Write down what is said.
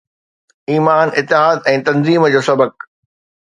ايمان، اتحاد ۽ تنظيم جو سبق